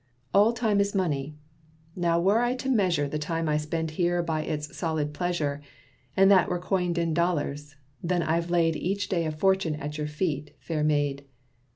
All time is money; now were I to measure The time I spend here by its solid pleasure, And that were coined in dollars, then I've laid Each day a fortune at your feet, fair maid.